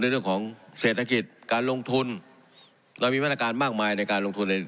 เรื่องของเศรษฐกิจการลงทุนเรามีมาตรการมากมายในการลงทุนใน